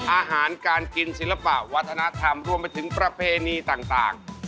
อาหารการกินศิลปะวัฒนธรรมรวมไปถึงประเพณีต่าง